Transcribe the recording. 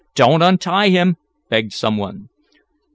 Don't untie him!" begged some one.